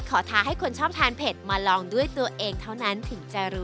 ท้าให้คนชอบทานเผ็ดมาลองด้วยตัวเองเท่านั้นถึงจะรู้